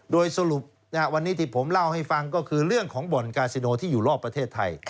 โดยสรุปวันนี้ที่ผมเล่าให้ฟังก็คือเรื่องของบ่อนกาซิโนที่อยู่รอบประเทศไทย